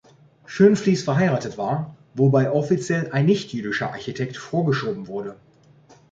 Schoenflies verheiratet war, wobei offiziell ein nicht-jüdischer Architekt vorgeschoben wurde.